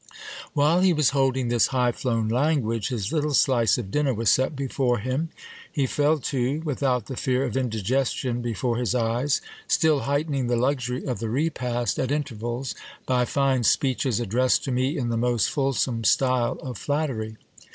While he was holding this high flown language, his little slice of dinner was set before him. He fell to without the fear of indigestion before his eyes, still heightening the luxury of the repast at intervals, by fine speeches addressed to me in the most fulsome style of flattery.